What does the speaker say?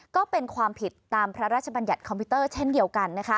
ก็เป็นความผิดตามพระราชบัญญัติคอมพิวเตอร์เช่นเดียวกัน